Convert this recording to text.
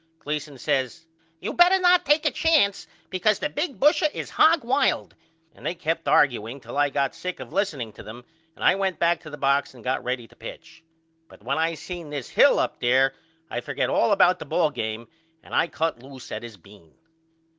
Gleason says You better not take a chance because the big busher is hogwild, and they kept argueing till I got sick of listening to them and I went back to the box and got ready to pitch. But when I seen this Hill up there I forgot all about the ball game and I cut loose at his bean.